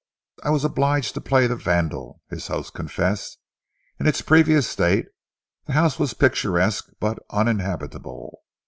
"I was obliged to play the vandal," his host confessed. "In its previous state, the house was picturesque but uninhabitable.